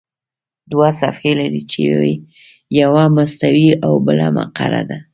دوه صفحې لري چې یوه مستوي او بله مقعره ده.